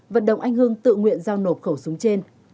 vận động anh hưng tự nguyện giao nộp khẩu súng trên